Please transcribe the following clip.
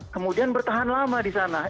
kemudian bertahan lama di sana